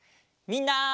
みんな！